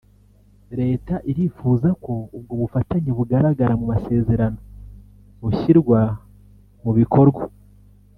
Leta irifuza ko ubwo bufatanye bugaragara mu masezerano bushyirwa mu bikorwa